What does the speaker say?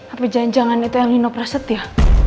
apa janjangan itu el nino praset ya